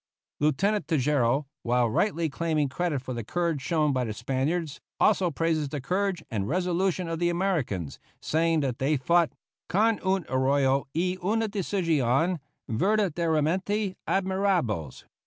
Lieutenant Tejeiro, while rightly claiming credit for the courage shown by the Spaniards, also praises the courage and resolution of the Americans, saying that they fought, "con un arrojo y una decision verdaderamente admirables."